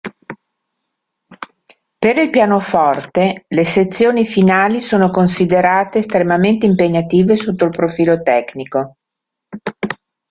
Per il pianoforte, le sezioni finali sono considerate estremamente impegnative sotto il profilo tecnico.